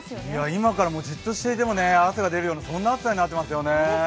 今からじっとしていても汗が出るような暑さになってます。